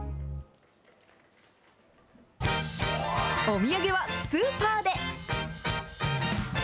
お土産はスーパーで！